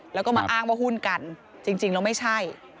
แล้วก็มาอ้างว่าหุ้นกันจริงแล้วไม่ใช่